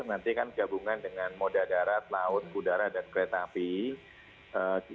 nanti kan gabungan dengan moda darat laut udara dan kereta api